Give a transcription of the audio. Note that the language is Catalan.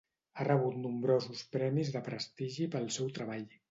Ha rebut nombrosos premis de prestigi pel seu treball.